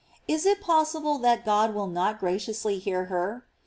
Is it possible that God will not graciously hear her?